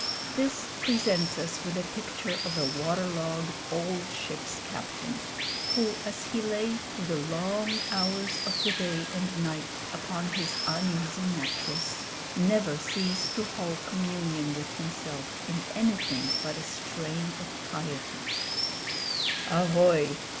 This presents us with a picture of a water logged old ship's captain, who, as he lay through the long hours of the day and night upon his uneasy mattress, never ceased to hold communion with himself in anything but a strain of piety "Ahoy!